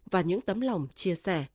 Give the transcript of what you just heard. và những tấm lòng chia sẻ